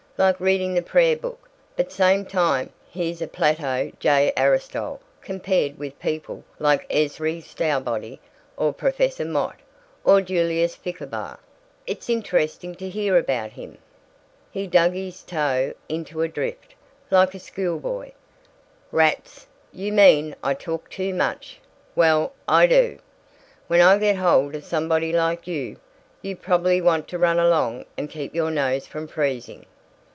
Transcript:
Like reading the prayer book. But same time, he's a Plato J. Aristotle compared with people like Ezry Stowbody or Professor Mott or Julius Flickerbaugh." "It's interesting to hear about him." He dug his toe into a drift, like a schoolboy. "Rats. You mean I talk too much. Well, I do, when I get hold of somebody like you. You probably want to run along and keep your nose from freezing."